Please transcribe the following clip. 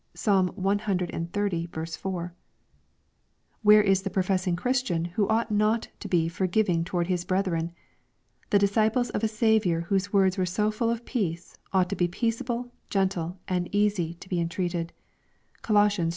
(Psalm cxxx. 4.) — Where is the professing Christian who ought not to be forgiving toward his brethren ? The disciples of a Saviour whose words were so full of peace, ought to be peaceiable, gen tle, and easy to be entreated. (Coloss.